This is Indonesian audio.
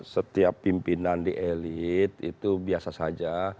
setiap pimpinan di elit itu biasa saja